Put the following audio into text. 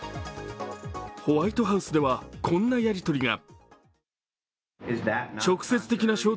ホワイトハウスではこんなやりとりが。